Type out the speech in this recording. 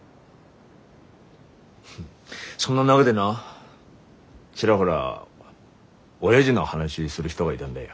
そんな中でなちらほらおやじの話する人がいだんだよ。